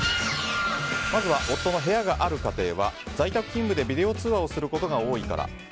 まずは夫の部屋がある家庭は在宅勤務でビデオ通話をすることが多いから。